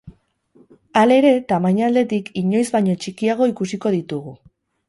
Halere, tamaina aldetik, inoiz baino txikiago ikusiko ditugu.